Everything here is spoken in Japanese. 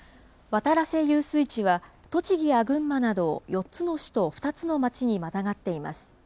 渡良瀬遊水地は、栃木や群馬など４つの市と２つの町にまたがっています。